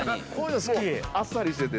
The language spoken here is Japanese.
あっさりしてて。